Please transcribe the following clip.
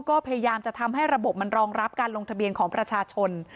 ก็พยายามจะทำให้ระบบมันรองรับการลงทะเบียนของประชาชน